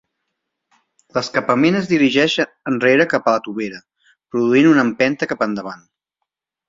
L'escapament es dirigeix enrere cap a la tovera, produint una empenta cap endavant.